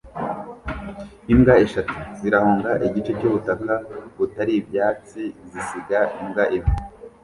Imbwa eshatu zirahunga igice cyubutaka butari ibyatsi zisiga imbwa imwe